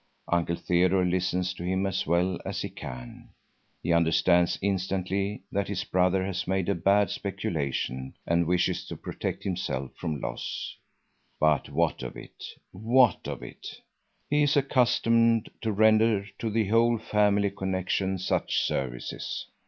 Uncle Theodore listens to him as well as he can. He understands instantly that his brother has made a bad speculation and wishes to protect himself from loss. But what of it, what of it? He is accustomed to render to the whole family connection such services.